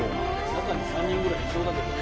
中に３人ぐらいいそうだけどね。